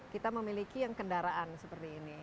kita memiliki yang kendaraan seperti ini